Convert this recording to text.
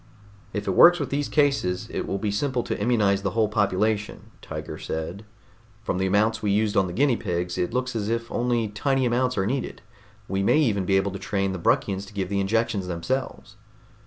"If it works with these cases, it will be simple to immunize the whole population," Tiger said. "From the amounts we used on the guinea pigs, it looks as if only tiny amounts are needed. We may even be able to train the Bruckians to give the injections themselves."